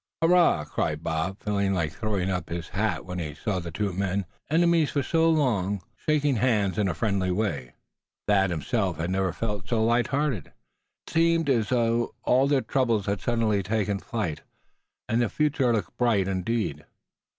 "Hurrah!" cried Bob, feeling like throwing up his hat when he saw the two men, enemies for so long, shaking hands in a friendly way. Thad himself had never felt so light hearted. It seemed as though all of their troubles had suddenly taken flight, and the future looked bright indeed.